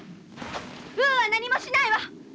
ウーは何もしないわ。